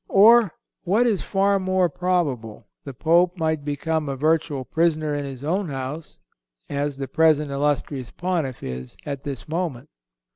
Or, what is far more probable, the Pope might become a virtual prisoner in his own house, as the present illustrious Pontiff is at this moment.